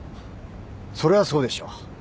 そりゃそうでしょう。